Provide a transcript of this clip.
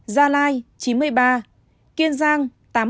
gia lai chín mươi ba kiên giang tám mươi ba